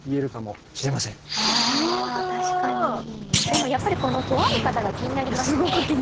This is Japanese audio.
でもやっぱりこの「とある方」が気になりますね。